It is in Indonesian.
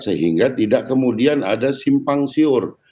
sehingga tidak kemudian ada simpang siur